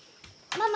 「ママ」？